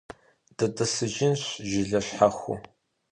ДытӀысыжынщ жылэ щхьэхуэу.